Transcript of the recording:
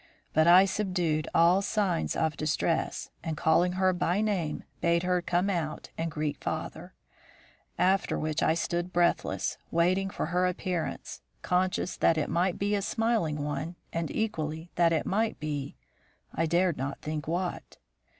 But I subdued all signs of distress, and, calling her by name, bade her come out and greet father; after which I stood breathless, waiting for her appearance, conscious that it might be a smiling one, and equally that it might be I dared not think what.